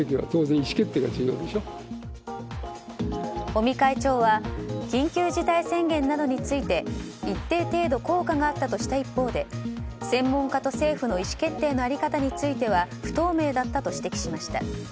尾身会長は緊急事態宣言などについて一定程度効果があったとした一方で専門家と政府の意思決定の在り方については不透明だったと指摘しました。